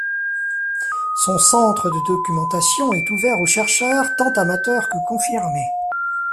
Son centre de documentation est ouvert aux chercheurs tant amateurs que confirmés.